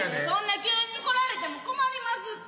そんな急に来られても困ります。